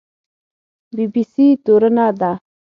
بي بي سي تورنه ده